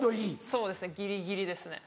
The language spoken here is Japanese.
そうですねギリギリですね。